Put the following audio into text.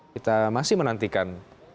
kita masih menantikan